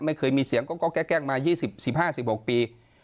ไม่เคยมีเสียงก็แกล้งมา๒๕๑๖ปี